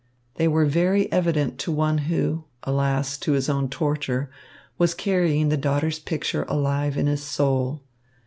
They were very evident to one who, alas, to his own torture, was carrying the daughter's picture alive in his soul.